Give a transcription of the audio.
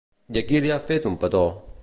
I a qui li va fer un petó?